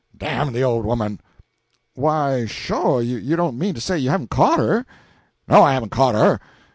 "D the old woman!" "Why, sho! you don't mean to say you haven't caught her?" "No; I haven't caught her.